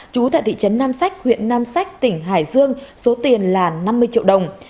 trú tại thị trấn nam sách huyện nam sách tỉnh hải dương số tiền là năm mươi triệu đồng